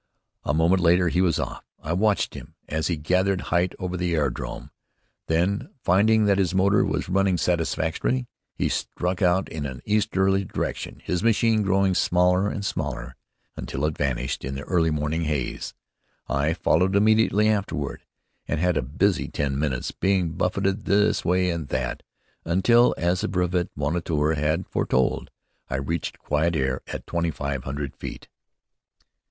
A moment later he was off. I watched him as he gathered height over the aerodrome. Then, finding that his motor was running satisfactorily, he struck out in an easterly direction, his machine growing smaller and smaller until it vanished in the early morning haze. I followed immediately afterward, and had a busy ten minutes, being buffeted this way and that, until, as the brevet moniteur had foretold, I reached quiet air at twenty five hundred feet.